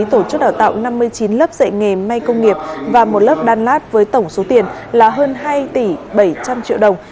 tổ chức đào tạo năm mươi chín lớp dạy nghề may công nghiệp và một lớp đan lát với tổng số tiền là hơn hai tỷ bảy trăm linh triệu đồng